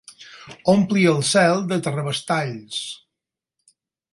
Ompli el cel de terrabastalls.